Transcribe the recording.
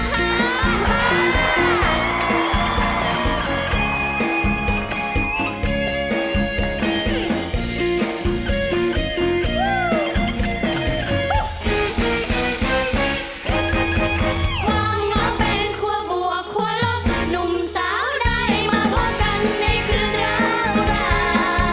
ความง้อเป็นคั่วบวกคั่วลบหนุ่มสาวได้มาพบกันในคืนราวรา